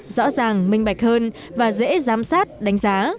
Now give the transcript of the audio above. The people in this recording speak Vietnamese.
rõ ràng minh bạch hơn và dễ giám sát đánh giá